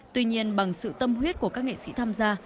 tuy nhiên bằng sự tâm huyết của các nghệ sĩ tham gia